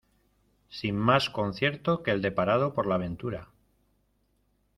sin más concierto que el deparado por la ventura.